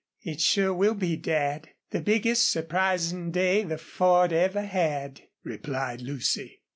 "It sure will be, Dad. The biggest SURPRISING day the Ford ever had," replied Lucy.